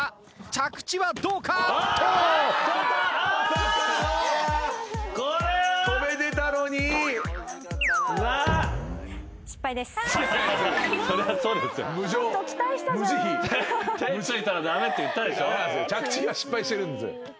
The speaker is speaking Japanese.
着地には失敗してるんです。